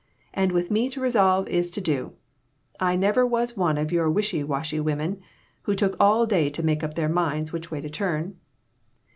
And with me to resolve is to do ; I never was one of your wishy washy women who took all day to make up their minds which way to turn.